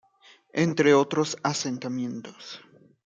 Entre otros asentamientos.